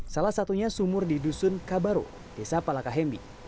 salah satunya sumur di dusun kabaru desa palakahembi